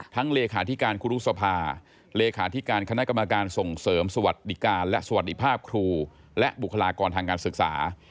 เลขาธิการครูรุษภาเลขาธิการคณะกรรมการส่งเสริมสวัสดิการและสวัสดีภาพครูและบุคลากรทางการศึกษา